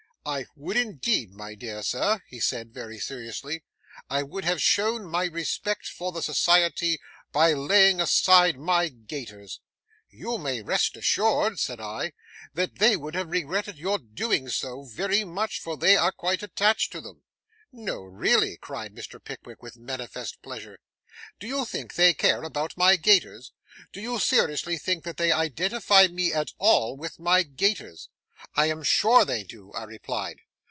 'I would, indeed, my dear sir,' he said very seriously; 'I would have shown my respect for the society, by laying aside my gaiters.' 'You may rest assured,' said I, 'that they would have regretted your doing so very much, for they are quite attached to them.' 'No, really!' cried Mr. Pickwick, with manifest pleasure. 'Do you think they care about my gaiters? Do you seriously think that they identify me at all with my gaiters?' 'I am sure they do,' I replied.